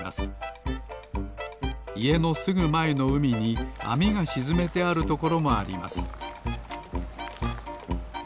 いえのすぐまえのうみにあみがしずめてあるところもあります